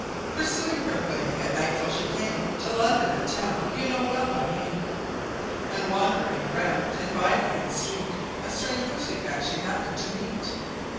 Pursuing her way, at nightfall she came To London, a town you know well by name; And wandering 'round in byway and street, A strange Pussy cat she happened to meet.